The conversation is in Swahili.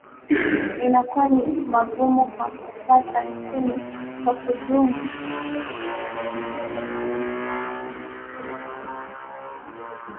inakuwa ni magumu kwa kupata kuni kwa kudumu kwa kufanya kupiga mafija